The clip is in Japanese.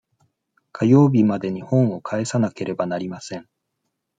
火曜日までに本を返さなければなりません。